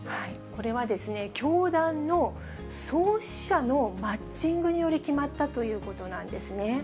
これは、教団の創始者のマッチングにより、決まったということなんですね。